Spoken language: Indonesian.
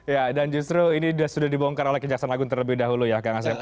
ya dan justru ini sudah dibongkar oleh kejaksaan agung terlebih dahulu ya kang asep